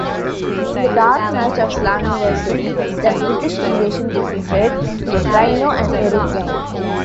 In the dark match of Slammiversary, the British Invasion defeated Rhino and Eric Young.